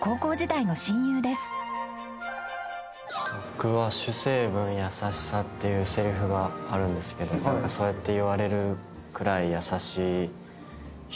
僕は「主成分優しさ」っていうせりふがあるんですけどそうやって言われるくらい優しい人で。